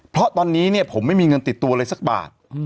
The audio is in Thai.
เพราะตอนนี้เนี่ยผมไม่มีเงินติดตัวเลยสักบาท